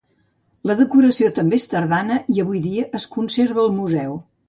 La decoració també és tardana i avui dia es conserva al museu.